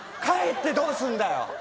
帰ってどうすんだよ。